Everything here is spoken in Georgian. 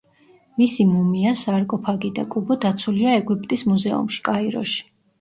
მისი მუმია, სარკოფაგი და კუბო დაცულია ეგვიპტის მუზეუმში, კაიროში.